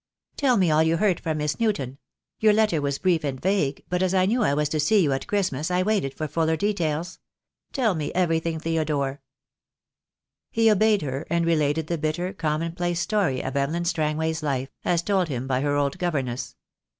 "Tell me all you heard from IMiss Newton. Your letter was brief and vague, but as I knew I was to see you at Christmas I waited for fuller details. Tell me everything, Theodore." He obeyed her, and related the bitter, common place story of Evelyn Strangway's life, as told him by her old governess.